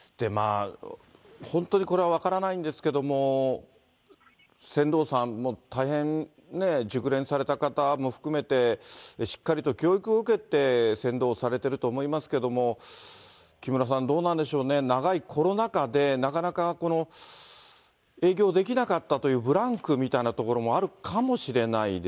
本当にこれは分からないんですけれども、船頭さんも大変熟練された方も含めて、しっかりと教育を受けて船頭をされてると思いますけれども、木村さん、どうなんでしょうね、長いコロナ禍で、なかなか営業できなかったというブランクみたいなところもあるか